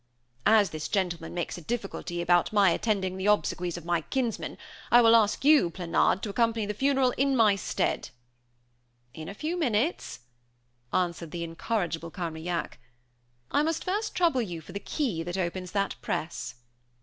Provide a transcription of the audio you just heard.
"As this gentleman makes a difficulty about my attending the obsequies of my kinsman, I will ask you, Planard, to accompany the funeral in my stead." "In a few minutes;" answered the incorrigible Carmaignac. "I must first trouble you for the key that opens that press."